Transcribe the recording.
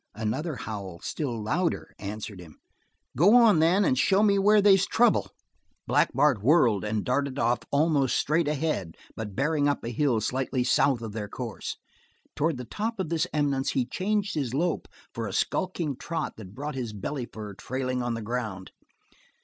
Another howl, still louder, answered him. "Go on, then, and show me where they's trouble." Black Bart whirled and darted off almost straight ahead, but bearing up a hill slightly south of their course. Toward the top of this eminence he changed his lope for a skulking trot that brought his belly fur trailing on the ground.